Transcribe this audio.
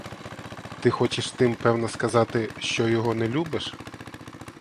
Ти хочеш тим певно сказати, що його не любиш?